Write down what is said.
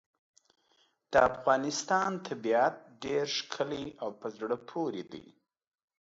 د افغانستان طبیعت ډېر ښکلی او په زړه پورې دی.